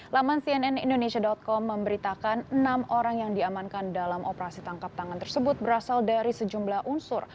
laman cnnindonesia com memberitakan enam orang yang diamankan dalam operasi tangkap tangan tersebut berasal dari sejumlah unsur